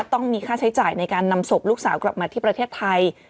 ต้องมีค่าใช้จ่ายในการนำศพลูกสาวกลับมาที่ประเทศไทย